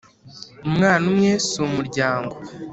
Umwana umwe si umuryango.